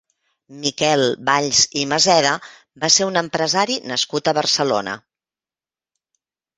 Miquel Valls i Maseda va ser un empresari nascut a Barcelona.